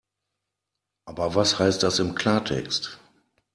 Aber was heißt das im Klartext?